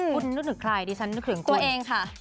คุณนึกถึงใครดิฉันนึกถึงตัวเองค่ะ